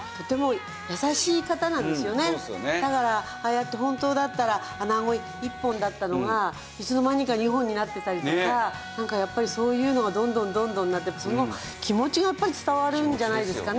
だからああやって本当だったら穴子１本だったのがいつの間にか２本になってたりとかなんかやっぱりそういうのがどんどんどんどんその気持ちがやっぱり伝わるんじゃないですかね。